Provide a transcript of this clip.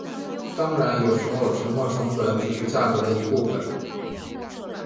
当然有时候沉没成本只是价格的一部分。